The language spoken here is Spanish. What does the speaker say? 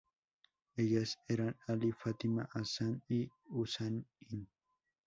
Ellas eran Ali, Fátima, Hasan y Husayn.